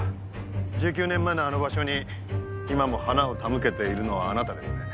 １９年前のあの場所に今も花を手向けているのはあなたですね？